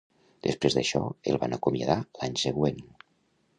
Després d'això, el van acomiadar l'any següent.